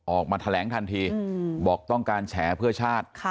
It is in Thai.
ออกมาแถลงทันทีบอกต้องการแฉเพื่อชาติ